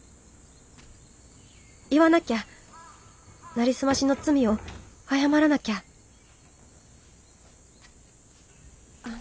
言わなきゃなりすましの罪を謝らなきゃあの。